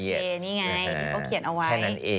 นี่ไงที่เขาเขียนเอาไว้